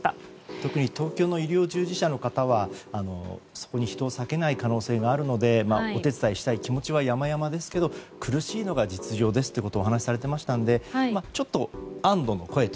特に東京の医療従事者の方はそこに人を割けない可能性があるのでお手伝いしたい気持ちはやまやまですが苦しいのが実情ですということをお話しされてましたので少し安堵の声。